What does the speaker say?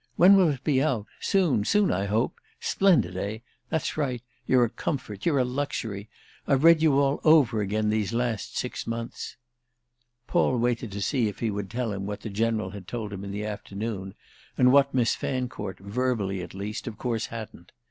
"When will it be out—soon, soon, I hope? Splendid, eh? That's right; you're a comfort, you're a luxury! I've read you all over again these last six months." Paul waited to see if he would tell him what the General had told him in the afternoon and what Miss Fancourt, verbally at least, of course hadn't.